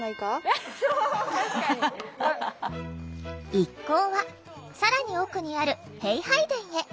一行は更に奥にある幣拝殿へ。